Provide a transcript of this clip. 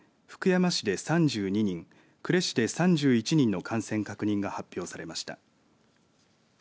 福山市で３２人呉市で３１人の感染確認が発表されました。